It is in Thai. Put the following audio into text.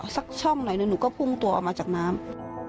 สักช่องหน่อยหนึ่งหนูก็พุ่งตัวมาจากน้ำ